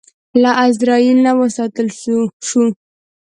له ازرائیل نه وساتل شو.